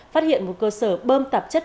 phát hiện một cơ sở bơm tạp chất